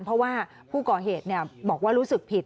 เพราะว่าผู้ก่อเหตุบอกว่ารู้สึกผิด